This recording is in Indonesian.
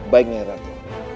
baik nyai ratu